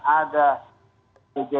ada bg lima pombes ya